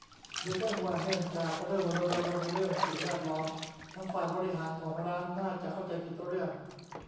โดยแจ้งว่าเนื่องจาก "เริ่มรณรงค์เรื่องสิ่งแวดล้อม" ทางฝ่ายบริหารของร้านน่าจะเข้าใจผิดเรื่อง